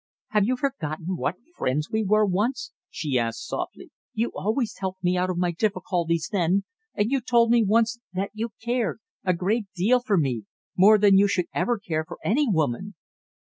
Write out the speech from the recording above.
"Have you forgotten what friends we were once?" she asked softly. "You always helped me out of my difficulties then, and you told me once that you cared a great deal for me, more than you should ever care for any woman!"